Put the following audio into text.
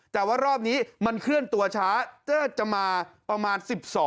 แต่ว่ารอบนี้มันเคลื่อนตัวช้าเจอจะมาประมาณ๑๒